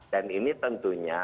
dan ini tentunya